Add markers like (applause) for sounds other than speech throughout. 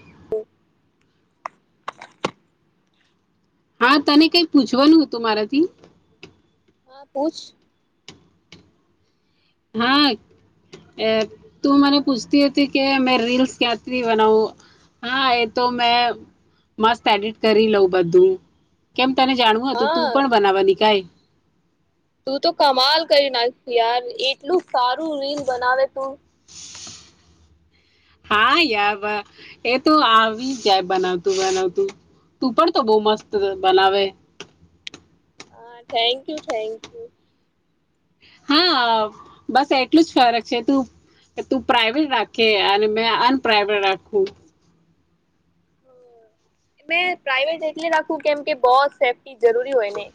(unintelligible) હા તને કઈ પૂછવાનું હતું મારાથી? હા પૂછ. હા તું મને પૂછતી હતી કે મે રીલ્સ ક્યાથી બનાવું હા એ તો મેં મસ્ત એડિટ કરી લઉં બધું કેમ? તને જાણવું હતું હા તું પણ બનાવાની કઈ? તું તો કમાલ કરી નાખશ યાર એટલું સારું રીલ બનાવે તું. હા યાર એ તો આવી જાય બનાવતું બનાવતું તું પણ તો બહ મસ્ત બનાવે. હા થેન્ક યુ થેન્ક યુ. હા બસ એટલું જ ફરક છે તું તું પ્રાઈવેટ રાખે અને મે અનપ્રાઈવેટ રાખું. પ્રાઈવેટ એટલે રાખવું કેમ કે બસ. એ જરૂરી હોય ને.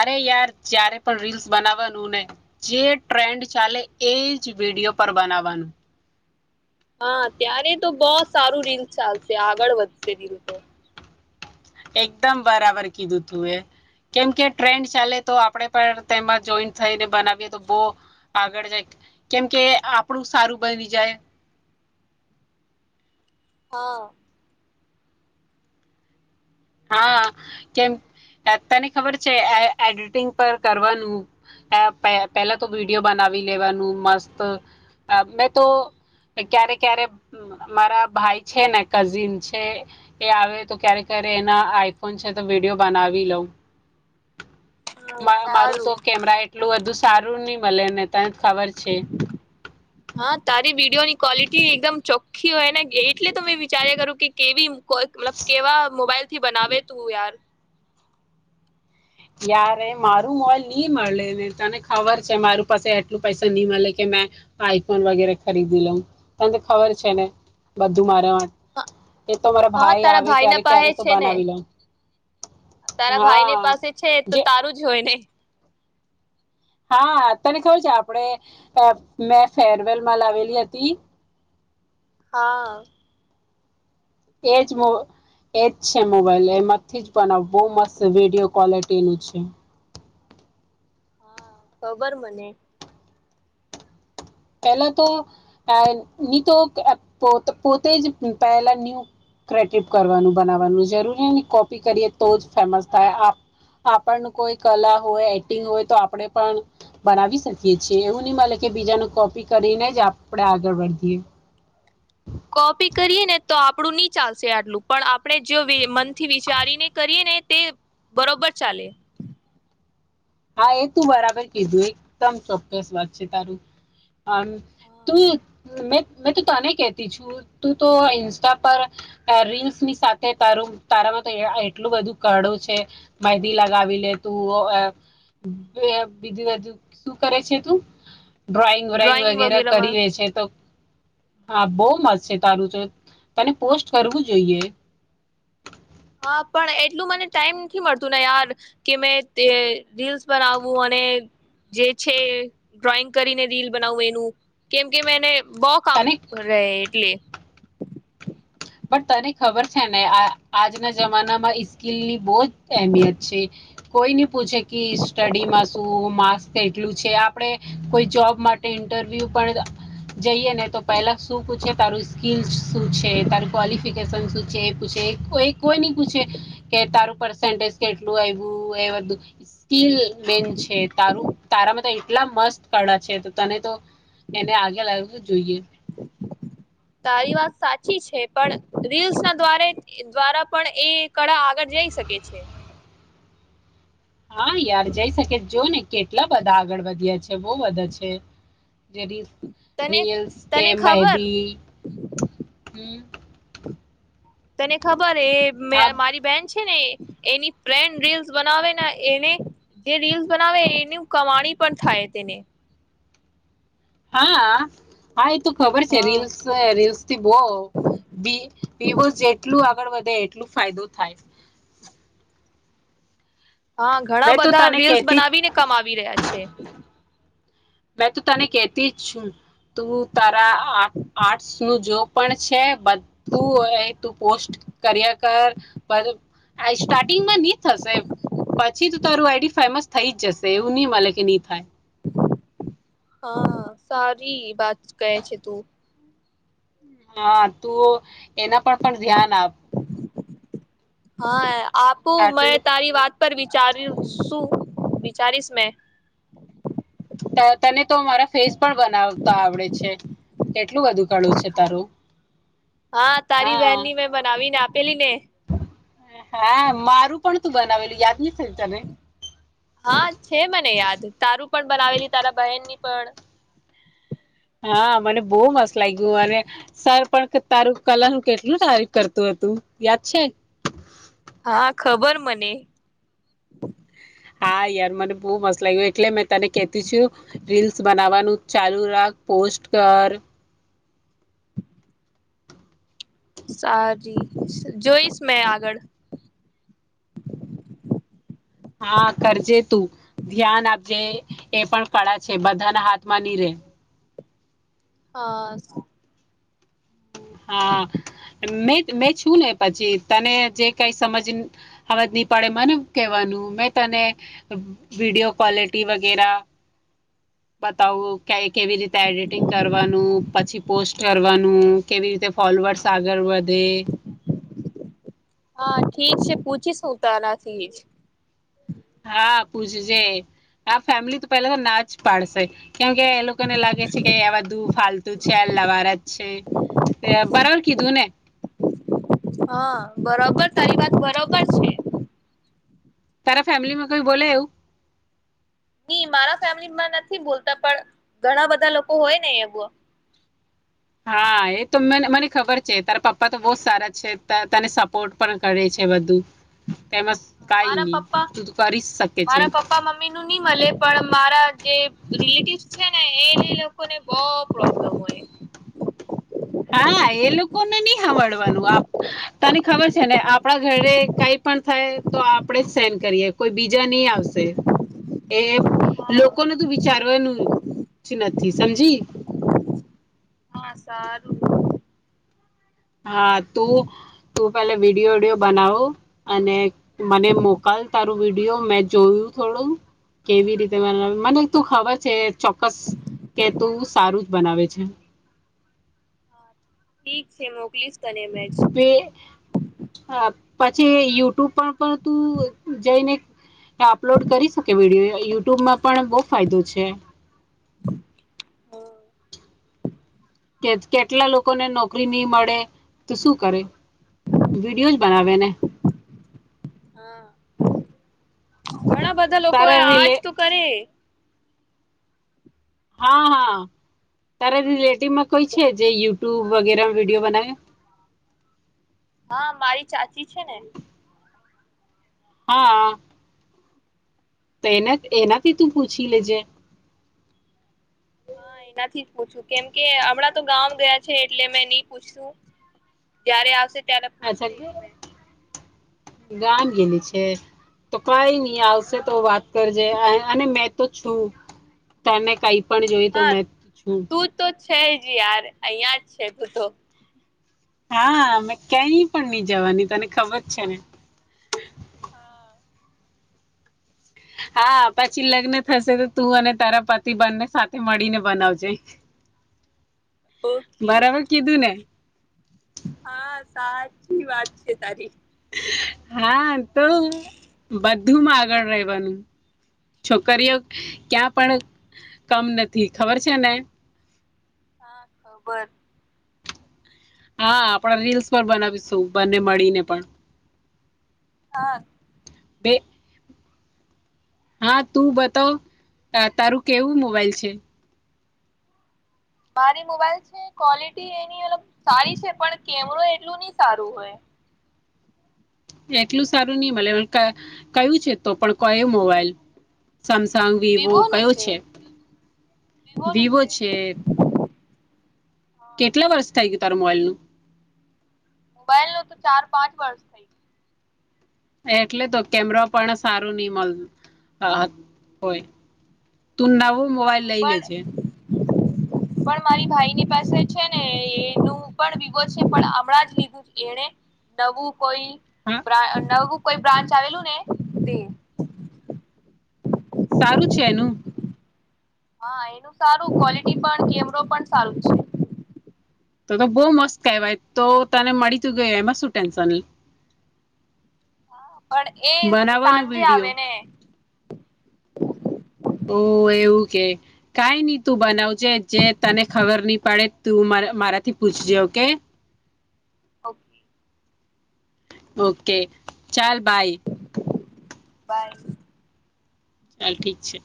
અરે યાર જ્યારે પણ રીલ્સ બનાવવાનું ને જે ટ્રેન્ડ ચાલે એ જ વિડીિયો પર બનાવવાનું. હા ત્યારે તો બહ સારું રીલ ચાલશે આગળ વધશે રીલ તો. એકદમ બરાબર કીધું તું એ કેમકે ટ્રેન્ડ ચાલે તો આપણે પણ તેમાં જોઈન્ટ થઈને બનાવીએ તો બહ આગળ જાય કેમકે આપણું સારું બની જાય. હા. હા કેમ તને ખબર છે એડિટિંગ પર કરવાનું પહેલા તો વિડીિયો બનાવી લેવાનું મસ્ત મેં તો ક્યારે ક્યારે મારા ભાઈ છે ને કઝિન છે એ આવે તો ક્યારે એના આઈફોન છે તો વિડીિયો બનાવી લઉ. હા મારું તો સારું કેમેરા એટલું બધું સારું નહી મળે ને. તને ખબર છે. હા તારી વિડીયો ની ક્વોલિટી એકદમ ચોખ્ખી હોય ને એટલે તો મેં વિચાર્યા કરું કે કેવી કો મતલબ કેવા મોબાઈલ થી બનાવે તું યાર. યાર મારું મોબાઈલ નહી મળે ને તને ખબર છે મારું પાસે એટલું પૈસા નહી મળે કે મે આઈફોન વગેરે ખરીદી લઉં તને ખબર છે ને બધું મારા માટે. એ તો મારા હા ભાઈ તારા આવે ના ક્યારે ક્યારે પાસે તો છે ને બનાવી લઉ. તારા ભાઈ ની પાસે છે. તો જે તારું જ હોય ને. હા તને ખબર છે આપણે મેં ફેરવેલમાં લાવેલી હતી. હા. એજ મો એજ છે મોબાઈલ એમાંથી જ બનાવવો મસ્ત વિડીિયો ક્વોલિટીનું છે. હા ખબર મને. પેલા તો નની તો પો પોતે જ પહેલા ન્યૂ કટ કરવાનું બનાવવાનું જરૂરી ને કોપી કરીએ તો જ ફેમસ થાય આપણ કોઈ કલા હોય એક્ટિંગ હોય તો આપણે પણ બનાવી શકીએ છીએ એવું નહી મળ કે બીજાનું કો કરીને જ આપણેે આગળ વધીએ. કોપી કરીએ ને તો આપડું નની ચાલશે આટલું પણ આપણે જો મ થી વિચારીને કરીને તે બરોબર ચાલે હા એ તું બરાબર કીધું એકદમ ચોક્કસ વાત છે તારું હ તું મે મેં તો તને કેતી છું તું તો ઇન્સ્ટા પર રીલ્સની સાથે તારું તારામાં તો એટલું બધું કડો છે મહેંદદી લગાવી લે તું બીજું બાજુ શું કરે છે તું ડ્રોઈંગ વ્રોઈંગ વગેરે કરી લે છે તો હા બહ મસ્ છે તારું તો તને પોસ્ટ કરવું જોઈએ હા પણ એટલું મને ટાઈમ નથી મળતું ને યાર કે મે રીલ્સ બનાવવું અને જે છે ડ્રોઈંગ કરીને રીલ બનાવવું એનું કેમ કે મેને બહ કામ તને રહે એટલે પણ તને ખબર છે ને આ આજના જમાના માં ઈ કિલ્લીની બહ જ અહેમિયત છે કોઈ નની પૂછે કે સ્ટડી માં શું મા એટલું છે આપડે કોઈ જોબ માટે ઇન્ટરવ્યુ પણ જઈએ ને તો પહેલા શું પૂછે તારું શું છે ત ક્વલિફિકેશનસ છે પૂછ છે એ કોઈ નઈ પૂછે કે તારું પ સ કેટલું આવું એ બધું સ્કીલ મેન છે તાર તારામાં તો એટલા મસ્ત કળા છે તો તને તો એને આગે લાવવું જોઈએ સાી છે પણ રીલ્સ ના્વા દ્વારા પણ એ કળા આગળ જઈ શકે છે હા યાર જઈ શકે જો ને કેટલા બધા આગળ વધ્યા છે બહ વધા છે જે ર તને રીલ્સ તને કેમ એ ખબર હમ તને ખબર એ હા મારી બેન્ચ ને એની રીલ્સ બનાવે એને જે રીલ્સ બનાવે એની કમાણી પણ થાય તેને હા હા એ તું ખબર છે હા રીલ્સ રીલ્સ બહસ જેટલું આગળ વધે એટલું ફાયદો થાય હા ઘણા મેં તો બધા તને રીલ્સ કહેતી જ બનાવીને કમાવી રહ્યા છે મેં તો તને કહેતી જ છું. તુ તા રા આ આર્ટસ નું જો પણ છે. બધું હોય તું પોસ્ટ કર્યા કર પર આ સ્ટાર્ટિંગમાં ની થશે પછી જ તારું આઈડી ફેમસ થઈ જ જશે એવું ની મલે કે ની થાય. હા સારી વાત કહે છે તુ હા તું એના પર પણ ધ્યાન આપ હા આપું મેં આટલું તારી વાત પર વિચાર શું વિચારીશ મે તને તો મારા ફેસ પણ બનાવતા આવડે છે. કેટલું બધું કળું છે તારું. હા તારી બહેનની મેં બનાવીને આ પેલીને હા મારું પણ તું બનાવેલું યાદ ને હા છે મને યાદ તારું પણ બનાવેલી તારા બહેન ની પણ હા મને બઘ મસ્ત લાગ્યું અને સર પણ તારું કલા નું કેટલું તારીફ કરતું હતું યાદ છે. હા ખબર મને હા યાર મને બો મસ્ત લાગ એટલે મેં તને કેતી છું રીલ્સ બનાવવાનું ચાલુ રાખ પોસ્ટ કર સારી જોઈશ મેં આગળ હા કરજે તું ધ્યાન આપજે એ પણ કળા છે બધાના હાથમાં ની રે હા હા મે મેં છું ને પછી તને જે કઈ સમજ નહી પડે મને કેવાનું મે તને વિડીયો ક્વલિટી વગેરા બતાવું કે કેવી રીતે એડિટિંગ કરવાનું પછી પોસ્ટ કરવાનું કેવી રીતે ફોલોવર્સ આગળ વધે હા ઠીક છે પૂછીશ તારથી જ હા પૂછ જે આ ફેમિલી તો પેલા તો ના જ પાડશે કેમ કે એ લોકોને લાગે છે કે આવા દૂ ફાલતુ છે અલ્લાવાર જ છે બરાબર કીધુંને હા બરોબર તારી વાત બરોબર છે. તારા ફેમિલી મા કોઈ બોલે એવુ ની મારા ફેમિલી માં નથી બોલતા પણ ઘણા બધા લોકો હોય ને બ હા એ તો મને મને ખબર છે તારા પપ્પા તો બહ સારા છે તને સપોર્ટ પણ કરે છે બધું તેમાં કાઈ મારા ની પપ્પા તું કરી જ શકે છે. મલે પણ મારા જે રિલેટિવસ છે ને એને લોકોને બો પ્રોબ્લેમ હોય હા એ લોકોને ની હાભળવાનું આ તને ખબર છે ને આપ આપણા ઘરે કાઈ પણ થાય તો આપણેે સેન કરીએ કોઈ બીજા ની આવશે એ હા લોકોને તો વિચારવાનું નથી સમજી હા સારું. હા તું તું પેલે વિડીયો વિડિયો બનાવો અને મને મોકલ તારું વિડીયો મેં જોયું થોડું કેવી રીતે મને તું ખબર છે ચોક્કસ કે તું સારું જ બનાવે છે. હા ઠીક છે મોકલીશ. તને મેજ બે હા. પછી યુટૂબ પર પણ તું જઈને અપલોડ કરી શકે વિડીયો યુટૂબમાં પણ બો ફાયદો છે. હા કે કેટલા લોકોને નોકરી ની મળે તો શું કરે વિડીયો જ બનાવેને. હા. ઘણા બધા લોકો તારા આજ રિલે તો કરે. હા હા તારો રિલેટિવમાં કોઈ છે જે યૂટ્યૂબ વગેરેમાં વિડીયો બનાવે. હા મારી ચાચી છે ને. હા. તો એના એનાથી તું પૂછી લેજે. હા એનાથી જ પૂછું કેમ કે હમણાં તો ગામ ગયા છે એટલે મેં ની પૂછશું જયારે આવશે ત્યાના પૂછી અચ્છા કે લઈશ મેં. ગામ ગેલી છે તો કઈ ની આવશે તો વાત કરજે અને મેં તો છું તને કઈ પણ જોઈએ તો હા મેં છું. તું તો છે જ યાર અહિયાં જ છે બધો. હા મે ક્યાય પણ ની જવાની તને ખબર છે ને. હા હા પછી લગ્ન થશે તો તું અને તારા પતિ બંને સાથે મળીને બનાવજે. ઓકે બરાબર કીધું ને. હા સાચી વાત છે તારી. હા તો બધુંમાં આગળ રહેવાનું છોકરીઓ ક્યાં પણ કમ નથી ખબર છે ને હા ખબર. હા આપડા રીલ્સ પણ બનાવીશું બંને મળીને પણ. હા. બે. હા તું બતાવ તારું કેવું મોબાઈલ છે મારી મોબાઈલ છે ક્વોલિટી એની મલબ સારી છે પણ કેમેરો એટલું ની સારું હોય. એટલું સારું ની મલે ક કયું છે તો પણ કયો મોબાઈલ સમસંગ વિવો કયો છે વિવો છે. હા કેટલા વર્ષ થઈ ગયું તારું મોબાઈલ નું. મોબાઈલ નો તો ચાર પાંચ વર્ષ થઈ એટલે તો કેમેરો પણ સારું ની મળ હોય તું નવ વો મોબાઈલ ગયું. લઇ પણ લેજે. પણ મારી ભાઈ ની પાસે છે ને એનું પણ વિવો છે પણ હમણાં જ લીધું એને નવું. કોઈ હા ડ્રા નવું. કોઈ બ્રાચ આવેલુંને તે સારું છે એનું. હા એનું સારું ક્વોલિટી પણ કેમરો પણ સારું છે. તો તો બહુ મસ્ત કહેવાય તો તને મળી ત ગય એમાં શું ટેન્શન. પણ એ બનાવવાનું સાંજે વિડીયો આવે ને. ઓ એવું કે કઈ ન બનાવજે જે તને ખબર નહી પડે તું મારાથી પૂછજે ઓકે અ ઓકે ચાલ બાય બાય ચાલ ઠીક છે